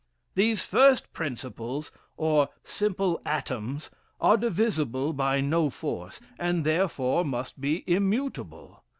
These first principles, or simple atoms, are divisible by no force, and, therefore, must be immutable.